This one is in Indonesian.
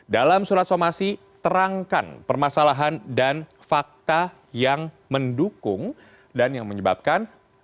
dalam surat somasi terangkan permasalahan dan fakta yang mendukung dan yang menyebabkan